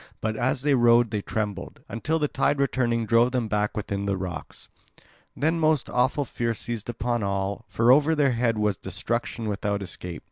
But as they rowed they trembled, until the tide returning drove them back within the rocks. Then most awful fear seized upon all; for over their head was destruction without escape.